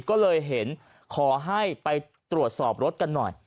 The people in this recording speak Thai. ก็เลยเห็นขอให้ไปตรวจสอบรถกันหน่อย